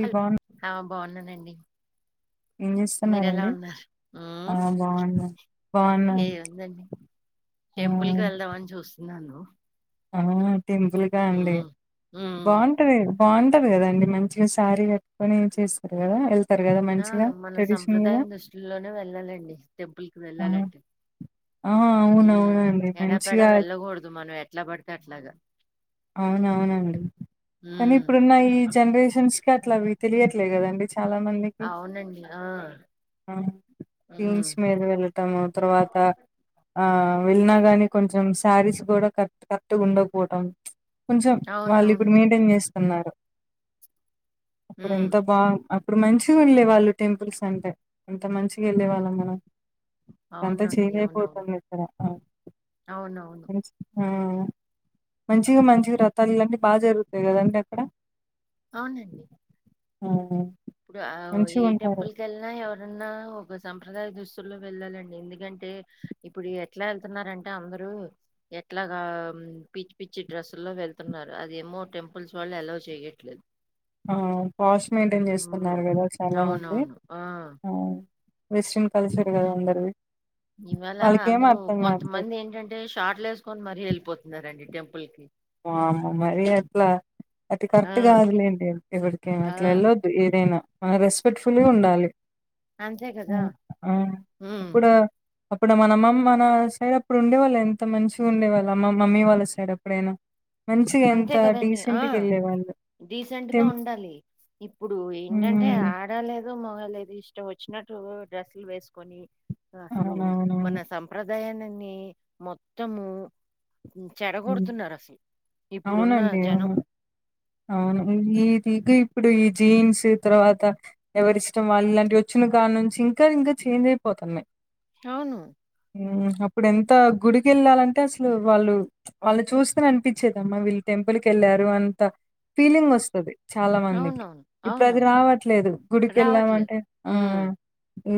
లీబాన్ బోన్నానండి ఏం చేస్తున్నారండి ఆ ఉమ్ బాగున్నా బాగున్నా ఏముందండి టెంపుల్ కి వెళ్దామని చూస్తున్నాను ఆ టింపుల్గా అండి ఉమ్ ఉమ్ బాగుంటది బాగుంట కదండి మంచిగా శారీ కట్టుకొని చేస్తారు కదా వెళ్తారు కదా ఆ మంచిగా మన ట్రెడిషనల్ గా సంంప్రదాయం దుస్తులోనే వెళ్ళాలండి టెంపుల్కి ఆ వెళ్ళాలంటే ఆ ఉమ్ అవునవునండి ఎడాపెడా మంచిగా వెళ్ళకూడదు మనం ఎట్లా పడితే అట్లాగా అవునవునండి కానీ ఉమ్ ఇప్పుడున్న ఈ జనరేషన్స్ అట్లవి తెలియట్లే కాదండి అవునండి ఆ ఆ ఉమ్ జీన్స్ మీద వెళ్ళటము తర్వాత ఆ వెళ్ళినా గానీ కొంచెం శారీస్ కూడా క కరెక్ట్ గ ఉండకపోవటం కొంచెం వాళ్ళు ఇప్పుడు అవునవును మైంటైన్ చేస్తున్నారు అప్పుడు ఉమ్ ఎంత బా ఇప్పుడు మంచిగా వెళ్ళేవాళ్ళు టెంపుల్స్ అంటే ఎంత మంచిగా వెళ్ళే వాళ్ళ మనం అంతా అవునండి అవునవును చేంజెపోతోంది ఇక్కడ ఆ అవునవును మంచిగా మంచిగా రాతలు ఇలాంటివి బాగా జరుగుతాయి కదండి అక్కడ అవునండి ఆ ఇప్పుడు మంచిగా ఏ ఉంటారు టెంపుల్కీ వెళ్ళినా ఎవరు ఎన్నా ఒక సంప్రదాయ దుస్తులో వెళ్ళాలండి ఎందుకంటే ఇప్పుడు ఎట్లా వెళ్తున్నారంటే అందరు ఇప్పుడు ఎట్లాగా పిచ్చి పిచ్చి డ్రెస్సు లో వెళ్తున్నారు అదేమో టెంపుల్స్ వాళ్ళ అల్లో చేయట్లేదు ఆ కాస్ట్ మెయింటైన్ చేస్తున్నారు కదా చాలా మంది అవునవును ఆ ఆ వెస్ట్రన్ కల్చర్ గదా అందరిది ఇవాళ వాళ్ళకేం అందరూ అర్థం కావట్లేదు కొంతమంది ఏంటంటే షార్ట్లే వేస్కొని మరీ వెళ్ళిపోతున్నారండి టెం ఓమ్మ మరేట్లా అది ఆ కరెక్ట్ కాదులేండి ఎవడికైనా ఆ అట్లేళ్ళొద్దు ఏదైనా రెస్పెక్ట్ఫుల్గుండాలి అంతే ఉ కదా ఆ ఉమ్ ఇప్పుడ అప్పుడు మన మ-మన సైడ్ అప్పుడు ఉండే వాళ్ళ ఎంత మంచిగా ఉండేవాళ్ళ మా మమ్మీ వాళ్ళ సైడ్ అప్పుడైనా మంచిగా అంతే ఎంత కదండి ఆ డీసెంట్‌గా వెళ్ళేవాళ్ళు. డీసెంట్గా టెం ఉండాలి ఇప్పుడు ఏంటంటే హ్మ్. ఆడలేదు మగలేదు ఇష్టమచ్చినట్టు డ్రెస్సులు వేస్కొని అసలు మన అవునవునవును. సంప్రదా ఉదయానన్ని మొత్తము హ్మ్. చెడగొడుతున్నారు అసలు ఇప్పుడున్న అవునండి జనం అవును అవును ఇది ఇప్పుడు ఈ జీన్స్ తర్వాత ఎవరి ఇష్టం వాళ్ళు ఇలాంటి వచ్చిన కా నుంచి ఇంకా ఇంకా చేంజ్ పోతునయి అవును ఇప్పుడు ఎంత గుడికేళ్ళాలంటే అసలు వాళ్ళు వాళ్ళు చూస్తనే అనిపించేదమ్మా వీళ్ళు టెంపుల్కేళ్ళారు అంత ఫీలింగ్ వస్తది చాలా మందికి అవునవును ఇప్పుడు అది అవునవును రావట్లేదు రావట్లేదు గుడికేళ్ళామంటే ఉమ్, ఆహ్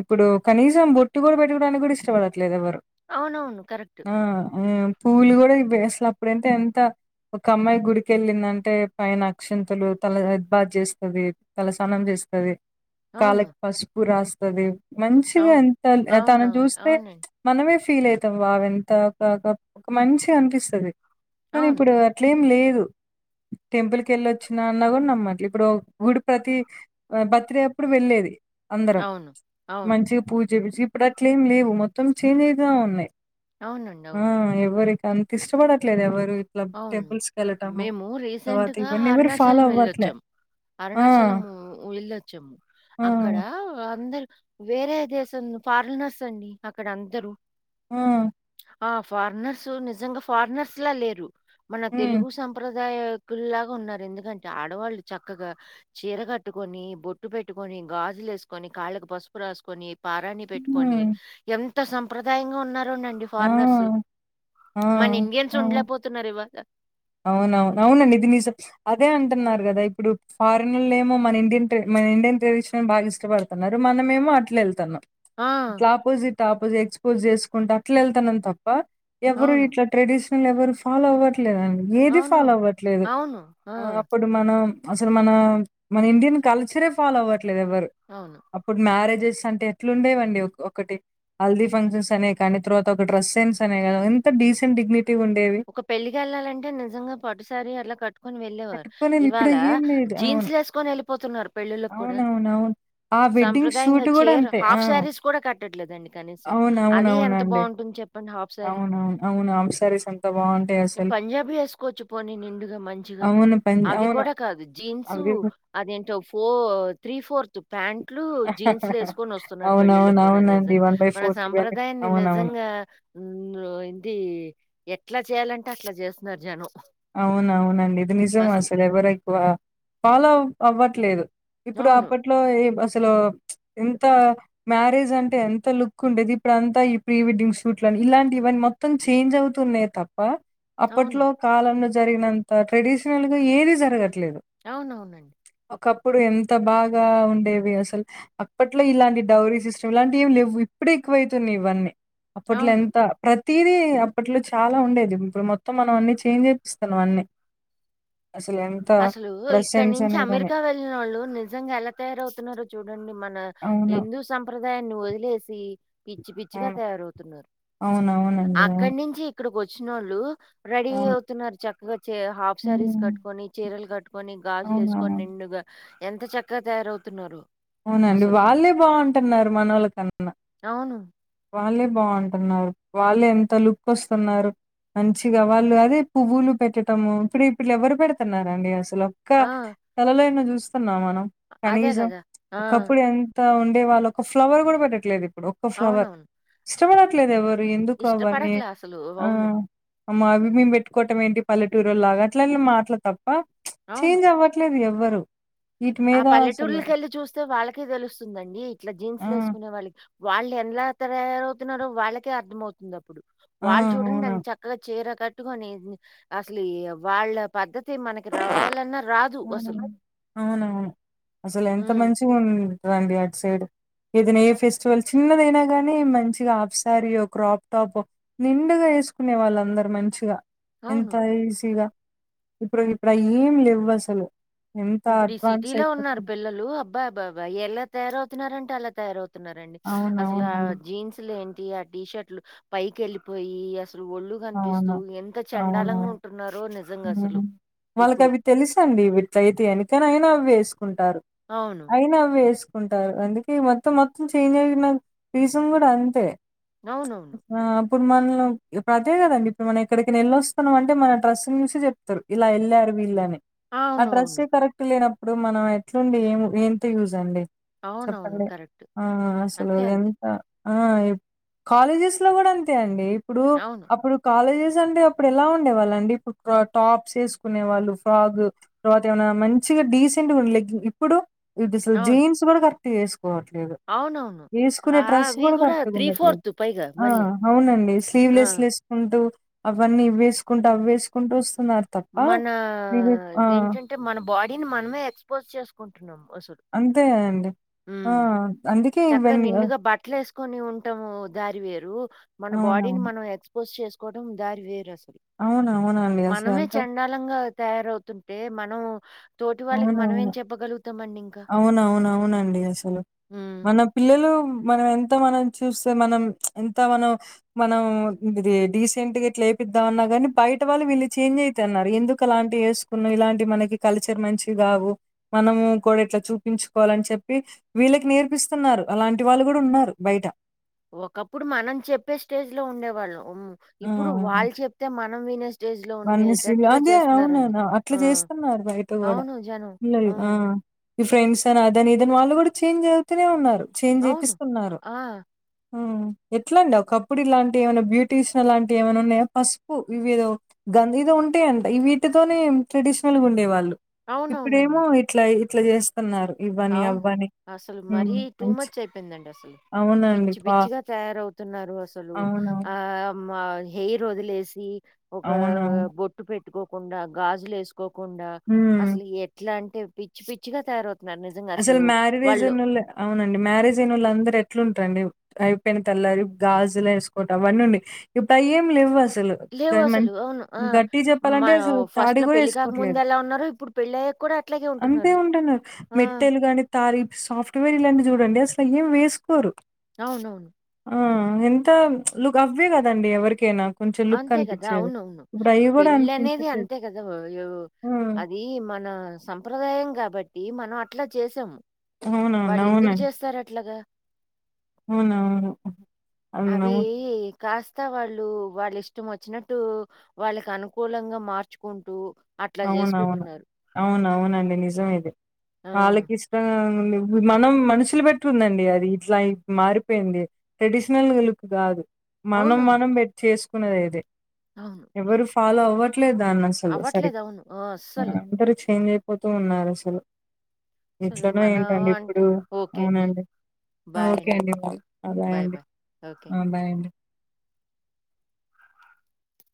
ఇప్పుడు కనీసం బొట్టు కూడా పెట్టుకోడానికి కూడా ఇష్టపడట్లేదు ఎవ్వరు అవునవును కరక్టు ఆహ్ పువ్లు కూడా అసలు అప్పుడతే ఎంత ఒక అమ్మాయి గుడికెళ్ళిందంటే పైన అక్షంతులు తల హెద్బాత్ చేస్తది తల సనం చేస్తది అవును కాళ్ళకి పసుపు రాస్తది మంచిగా అవును ఎంత తను అవునవును చూస్తే అవునండి మనమే ఫీలైతా అవి ఎంత కాక ఒక మంచి అనిపిస్తుంది కానీ అవును ఇప్పుడు అట్లేం లేదు గు టెంపుల్ కేళ్ళొచ్చినా అన్నా కూడా నమ్మట్లు ఇప్పుడు గుడి ప్రతి బర్త్డే అప్పుడు వెళ్ళేది అందరం అవును అవును మంచిగా పూజ చేపి ఇప్పుడు అట్ల ఏమి లేవు మొత్తం చేంజ్య ఉన్నాయి అవునండి అవును ఆహ్ ఎవరికి అంత ఇష్టపడట్లేదు ఎవరు ల అవును టెంపుల్స్ కేళ్ళటము మేము రీసెంట్ తర్వాత గా ఇవన్నీ ఎవరు ఫాలో అవ్వట్లే వెళ్ళొచ్చాం ఆ! అరుణాచలం వెళ్ళొచ్చాము ఆ! అక్కడ అందరికి వేరే దేశం ఫారినర్స్ అండి అక్కడ అందరూ ఆహ్ ఆహ్ ఫారినర్స్ నిజంగా ఫారినర్స్ లా లేరు మన హ్మ్. తెలుగు సంప్రద దాయకులాగా ఉన్నారు ఎందుకంటే ఆడవాళ్ళు చక్కగా చీర కట్టుకొని బొట్టు పెట్టుకొని గాజులేస్కొని కాళ్ళకి పసుపు రాస్కొని పారాన్ని పెట్టుకొని హ్మ్. ఎంత సంప్రదాయంగా ఉన్న రండండి ఆ! ఫారినర్స్ ఆ! మన ఇండియన్స్ ఉండలేకపోతున్నారు ఇవాళ అవ్న అవ్ను అవ్నండి ఇది నిజం అదే అంటున్నారు కదా ఇప్పుడు ఫారినర్లో ఏమో మన ఇండియన్ మన ఇండియన్ ట్రెడిషన్ బాగా ఇష్టపడుతున్నారు మనమేమో అట్లేళ్తనం ఆ! ఇట్లా ఆపోజిట్ ఆపోజిట్ ఎక్స్పోజ్ చేస్కుంట అట్లా వెళ్తానని తప్ప ఎవరు అవును. ఇట్లా ట్రెడిషన్ల్ ఎవరు ఫాలో అవ్వట్లేదండి ఏది ఫాలో అవునవును. అవ్వట్లేదు అవును. ఆ! ఆహ్ అప్పుడు మనం అసలు మనా మన ఇండియన్ కల్చరే ఫాలో అవ్వట్లేదు ఎవరు అవును. అప్పుడు మ్యారేజ్ అంటే ఎట్లాలుండేవండి ఒకటి హల్దీ ఫంక్షన్స్ అనే కానీ తర్వాత ఒక డ్రస్ సెన్స్ అనే గాని డిసెట్డిగ్ని ఒక పెళ్లికి వెళ్ళాలంటే నిజంగా పట్టుశారి అలా కట్టు కొని వెళ్ళేవారు కట్టుకోలేము. ఇప్పుడు ఇవాళ అయ్యేం లేదు. జీన్స్ అవును. లేసుకొని వెళ్ళిపోతున్నారు పెళ్ళిళ్ళకి కూడా అవునవునవును. ఆ వెడ్డింగ్ సాంప్రదాయంగా షూట్ గూడా చీర్ అంతే. ఆ! హాఫ్ శారీస్ కూడా కట్టట్లేదండి కనీసం అది ఎంత అవునవునవునండి. బాగుంటుంది చెప్ అవునవును అవును హాఫ్ సారిస్ అం పంజాబీ వేసుకోవచ్చు పోనీ నిండుగా మంచిగా అవును. పం అవి అవును. కూడా కాదు జీన్సు అవి గూడా అదేంటో ఫోర్ త్రీ ఫోర్త్ ప్యాం ట్లు జీన్స్లు ఎసుకొని వస్తున్నారు పెళ్ళిళ్ళకి కూడా అవునవునవునండి. నిజం మన ఇవన్నీ సాంప్రదాయాన్ని అవునవును. నిజంగా ఇంది ఎట్లా చేయాలంటే అట్లా చేస్తున్నారు జనం అవునవునండి ఇది నిజం అసలు ఎవరేక్కువ ఫాలో అవ్వట్లేదు ఇప్పుడు అవును. అప్పట్లో ఏ అసలు ఎంత మ్యారేజ్ అంటే ఎంత లుక్ ఉండేది ఇప్పుడు అంతా ఈ ప్రీ వెడ్డింగ్ షూట్లని ఇలాంటి ఇవన్ మొత్తం చేంజ్ అవుతున్నయ్ తప్ప అవును. అప్పట్లో కాలంలో జరిగినంత ట్రెడిషనల్ గా ఏది జరగ అవునవునండి ఒకప్పుడు ఎంత బాగా ఉండేవి అసలు అప్పట్లో ఇలాంటి డౌరీ సిస్టమ్ ఇలాంటి ఏమి లెవ్వు ఇప్పుడు ఎక్కువవుతన్నయ్ ఇవన్నీ అప్పట్లో అవును. ఎంత ప్రతీదీ అప్పట్లో చాలా ఉండేది ఇప్పుడు మొత్తం మనం అన్ని చేంజేపిస్తానం అన్నీ అసలు ఎంత అసలు ఇక్కడ ప్రెసెన్స్ నుంచి అనేదని అమెరికా వెళ్ళిన వాళ్ళు నిజంగా ఎలా తయారవుతున్నారో చూడండి మన అవును. హిందూ సంప్రదాయాన్ని వదిలేసి పిచ్చి పిచ్చిగా అవును. తయారవుతున్నారు అవునవునండి అవును ఇక్కడికి వచ్చినోళ్ళు రెడీ అవును. అవుతున్నారు చక్కగా చి హాఫ్ శారీస్ హ్మ్. కట్టుకొని చీరలు కట్టుకొని గాజులేసుకొని అవునవును. నిండుగా ఎంత చక్కగా తయారవుతున్నారు అవునండి అసలు. వాళ్ళే బాగుంటున్నారు మనోళ్లకన్నా అవును వాళ్ళే బాగుంటున్నారు వాళ్ళే ఎంత లుక్ వస్తున్నారు మంచిగా వాళ్ళు అదే పువ్వులు పెట్టటము ఇప్పుడు ఇప్పుడు ఎవ్వరు పెడుతున్నరండి అసల అసలు ఒక్క ఆ! తలలోైనా చూస్తున్నా మనం అదే కనీసం గదా! ఆ! ఒకప్పుడు ఎన్ ఉండే వాలు ఒక ఫ్లవర్ కూడా పెట్టట్లేదు ఇప్పుడు ఒక్క ఫ్లవర్ అవునవును. ఇష్టపడట్లేదు ఎవర్ ఎందుకు అవన్ని ఇష్టపడట్లే అసలు. ఆ అవును. అమ్మా అవి మేము పెట్టుకోవటం ఏంటి పల్లెటూరో లాగా అట్లా మాటలు తప్ప అవును. చేంజ్ అవ్వట్లేదు ఇగ అవి ఎవ్వరు ఇటి మీదాసలు ళ్ చూస్తే వాళ్ళకె తెలుస్తుందండి ఇట్లా ఆ! జీన్స్లు వేసుకునే వాళ్ళకి వాళ్ళు ఎలా తరయారవుతున్నారో వాళ్ళకే అర్థమవుతుంది అప్పుడు ఆ! వాళ్ళు చూడండి అవునా ఎంత చక్కగా చీర కట్టుకొని అసలు వాళ్ళ పద్ద్ద అయితే మనకి రావాలన్నా రాదు అసలు హ్మ్. అసలు ఎంత హ్మ్. మంచి ఉంటరండి అటు సైడ్ ఏదైనా ఏ ఫెస్టివల్ చిన్నదైనా గాని మంచిగా ఆఫ్సారీయో క్రాప్ టాపో నిండుగా చేసుకునే వాళ్ళందరు మంచిగా ఎంత అవును. ఈజీగా ఇప్పుడు ఇప్పుడు ఏం లేవ్వు అసలు ఇప్పుడు ఈ సిటీలో ఉన్నారు పిల్లలు అబ్ అబబా ఎలా తయారవుతున్నారంటే అలా తయారవుతున్నారండి అసలు ఆ అవునవునండి. జీన్స్లు ఏం టి ఆ టీషర్ట్లు పైకి వెళ్ళిపోయి లు ఒళ్ళు కనిపిస్తూ అవును. ఎంత చండాలంగా ఉంటున్నారో ని వాళ్ళకి అవి తెలుసండి విట్లయితయని కని అవి వేసుకో కుంటారు అవును. ఐనా అవ్వే యేస్ ఉంటారు అందుకీ మొత్తం మొత్తం చేంజైన పీజం గూడంతె ఔనూ ఇప్పుడు మన్లం ఇప్పుడతే గదండి ఇప్పుడు మనమెక్కడికైనెళ్ళొస్తున్నమంటె మన డ్రస్ [unintelligible] చెప్తరు ఇలా యెళ్ళారు వీళ్ళని అ అవునవును. డ్రస్సే కరెక్ట్ లేనప్ ప్పుడు మనమెట్లుండి ఏం ఏంత యూజండి అవునవును. చెప్పండి కరెక్ట్. ఆ అసలు అంతే, అంతే. ఎంతొ ఆ ఇప్ కాలేజెస్లొ గూడంతే అండి ఇప్పుడూ అవును. అప్పుడు కాలేజెస్ స్సంటె అప్పుడెలా ఉండేవాళ్ళండి ఇప్పు కా టాప్సేస్కునే వాళ్ళు ఫ్రాగ్ తర్వాతేమన్న మంచిగ డీసెంట్గుండ లెగ్గింగ్ ఇప్పుడు ఇదిస్లు అవును. జీన్స్ గూడ కరెక్ట్ యేస్ కోవట్లేదు అవునవును. యేస్కునె ఆహ్, డ్రస్ అవి గూడ గూడా కరెక్టుగుండట్లేదు పైగా ఆ మళ్ళీ. ఔనండి స్లీ ఆ! లీవ్లెస్లేస్కుంటూ అవన్ని ఇవ్వేస్కుంట అవ్వేస్కుంటు స్ మనా ఏంటంటె మన బాడీన్ మనమే ఎక్స్పోజ్ చేస్కుంటున్నామ్ అంతే అండి ఆ అందికే ఇవ్వన్ని అ వేస్కోని ఉంటమూ దారి వేరూ మన బాడీని అవునవును. మనం ఎక్స్పోజ్ చేస్కోటం దారి వేరస్స అవునవునండి. మనమే అసలెంత చండాలంగా తయారౌతుంటే మనము తోటి వాళ్ళకి మనమేం అవునవును. చెప్పగలుగుతామండింక నండీ అసలు మన పిల్లలు మన ఎంత మనం చూస్తె మనం చ్ ఎంత మనం మనం డిది డీసెంట్గిట్లేపిద్దాం అన్న గాని బై ట వాళ్ళు వీళ్ళు చేంజైతన్నారు ఎందుకలాంటి యేస్కున్నవ్ ఇలాంటి మనకి కలుచ్ తె మంచిన్ గావు మనము కూడిట్ల చూపించుకోవాలన్ చెప్పి వీళ్ళకి నేర్పిస్తున్నారు అలా అంటి వాళ్ళు గూడున్నారు బైట ఒకప్పుడు మనం చెప్పే స్టేజ్ లో ఉండేవాళ్ళం ఉమ్ ఇప్పుడు వాళ్ చెప్తె మనం వినే స్ వన్నెశ్రీలు అదె ఔనవ్ను అట్ల ఆ! జేస్తున్నార్ బైట గూడ అవును జనం. పిల్లొల్లు ఆ హ్మ్. ఇ ఫ్రెండ్సని అదనిదని వాళ్ళ్ గూడ చేంజైతూనె ఉన్నారు అవును. చేంజేపిస్తున్నారు ఆ! ఊమ్ ఎట్లుండె ఒకప్పుడిలాంటివి ఏమన్న బ్యూటీషనలాంటివి ఏమన్నున్నా పస్పు ఇవ్వేదొ గంగిద ఉంటే అంట ఇవ్వీటితోనే ట్రెడిషనల్గుండేవాళ్ళు ఇప్పుడేమో ఇట్ల ట్ల జేస్తన్నారు ఔన్ అసల్ మరీ టూ మంచి మచ్చైపోయ్ందండసలు అవునండి. పిచ్చి పా పిచ్చిగా తయారౌతున్నారు అసలూ అవునవును. ఆమ్ మా హెయ్రొదిలేసి ఒకా అవునవును. బొట్టు పెట్టుకోకుండా గాజులేస్ కోకుండా హ్మ్. అసల్ ఎట్లంటె పిచ్చ్ పిచ్చిగా తయారౌత్ అసల్ మ్యారీడేజున్నొల్లు ఔనండి మ్యారేజైనొళ్ళందరెట్లుంట్రండి ఐపెయ్న తల్లారి గాజులేసుకోటం వన్నున్నయ్ ఇప్పుడయ్యేమ్ లవ్వస్ [unintelligible] లేవసలు. డైమండ్ అవును. ఆ! గట్టిగ్ జెప్పాలంటె మనం అసలు తాడి ఫస్ట్‌లో పెళ్లి గూడేస్కోట్లేదు కాకముందెలా ఉన్నారో, ఇప్పుడు పెళ్లయ్యాక కూడా అట్లాగే అంతే ఉంటున్నారు. ఉంటన్న ఆ! మెట్టెల్ గాని తారిప్ సాఫ్ట్వేరిలాంటి జూడండి అసలేం వేస్కోరు ఔనవ్న్ ఆ ఎంత చ్ లుకవ్వే గదండి ఎవ్వర్కైన అంతే గదా ఔనవ్ను గూడా పెళ్ళనేది అనిపించట్లేదు. అంతే గద వ్ య్ ఆ! అదీ మన్ నా సంప్రదాయం గాబట్టి మనమట్ల చేసమ్ అవునవును. వాళ్ళెందుక్ జేస్తరట్లగ ఊనౌవ్ను అవి అన్నము కాస్త వాళ్ళూ వాళ్ళిష్టమొచ్చినట్టు వాళ్ళకనుకూలంగ మార్చుకుంటూ అట్లా అవునవును జేసుకుంటున్నారు. అవున అవునండి నిజం ఇది ఆ! వాళ్ళకి ఇష్ట మనం మనుషులు పెట్టుందండి అది ఇట్లా మారిపోయింది ట్రెడిషనల్ లుక్ కాదు మనం అవునవును. మనం పెట్టి చేసుకున్నది ఇదే అవును. ఎవరు ఫాలో అవ్వర్ పట్లేద అన్న అసలు సరి అవ్వట్లేదు. అవును ఆ అసలు పోతూ ఉన్నారు అసలు అసలు ఇట్లనే మనం ఏంటండి అంటూ ఇప్పుడు ఓకే అండి. అవునండి ఓకే అండి అ బాయ్ అండి బాయ్ అండి